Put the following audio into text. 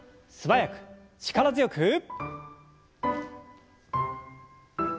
素早く力強く。